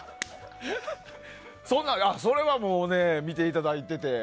それは見ていただいてて。